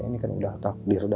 kehidupan memang tidak selamanya